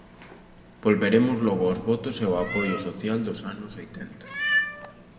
Volveremos logo aos votos e ao apoio social dos anos oitenta.